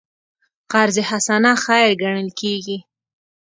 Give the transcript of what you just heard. قرض حسنه خیر ګڼل کېږي.